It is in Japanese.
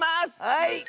はい！